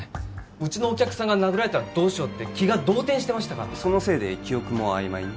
うちのお客さんが殴られたらどうしようって気が動転してたしそのせいで記憶もあいまいに？